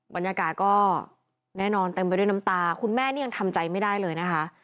บรรยากาศก็แน่นอนเต็มไปด้วยน้ำตาคุณแม่นี่ยังทำใจไม่ได้เลยนะคะ